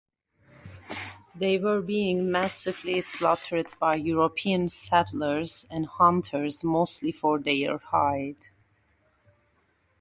They were being massively slaughtered by European settlers and hunters mostly for their hide.